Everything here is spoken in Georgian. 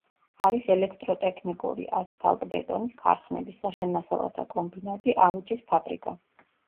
არის ელექტროტექნიკური, ასფალტბეტონის ქარხნები, საშენ მასალათა კომბინატი, ავეჯის ფაბრიკა.